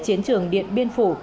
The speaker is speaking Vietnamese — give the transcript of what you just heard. chiến trường điện biên phủ